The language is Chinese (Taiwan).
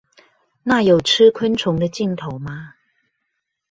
那有吃昆蟲的鏡頭嗎？